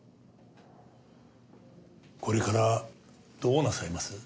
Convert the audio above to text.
これからどうなさいます？